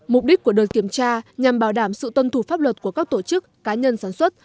mục đích của đợt kiểm tra nhằm bảo đảm sự tuân thủ pháp luật của các tổ chức cá nhân sản xuất